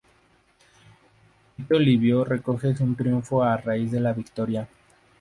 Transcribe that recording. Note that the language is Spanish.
Tito Livio recoge un triunfo a raíz de la victoria.